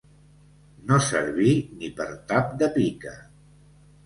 No servir ni per tap de pica.